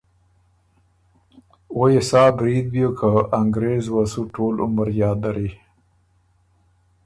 او يې سا برید بیوک که انګرېز وه سُو ټول عمر یاد دری